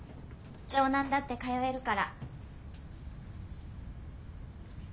城南だって通えるから。